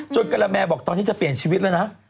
กระแมบอกตอนนี้จะเปลี่ยนชีวิตแล้วนะ